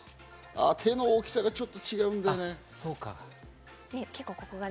手の大きさがちょっと違うんだよね。